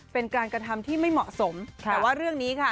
เป็นการกระทำที่ไม่เหมาะสมแต่ว่าเรื่องนี้ค่ะ